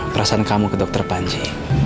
perasaan kamu ke dokter panji